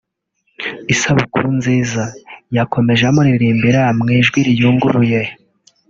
Isabukuru nziza” yakomeje amuririmbira mu ijwi riyunguruye